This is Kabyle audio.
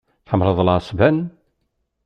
Tḥemmleḍ lɛesban?